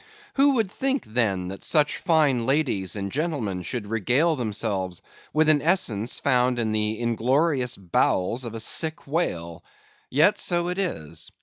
Who would think, then, that such fine ladies and gentlemen should regale themselves with an essence found in the inglorious bowels of a sick whale! Yet so it is.